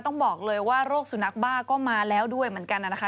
ต้องบอกเลยว่าโรคสุนัขบ้าก็มาแล้วด้วยเหมือนกันนะคะ